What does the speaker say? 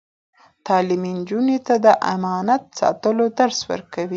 تعلیم نجونو ته د امانت ساتلو درس ورکوي.